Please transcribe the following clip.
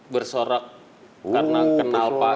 bersorak karena kenal pak